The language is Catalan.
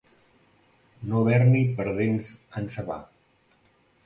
No haver-n'hi per dents encebar.